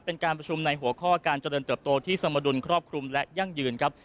เป็นการประชุมในหัวข้อการเจริญเติบโตที่สมดุลครอบคลุมและยั่งยืนครับ